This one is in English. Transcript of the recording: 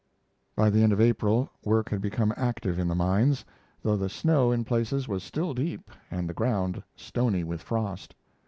By the end of April work had become active in the mines, though the snow in places was still deep and the ground stony with frost.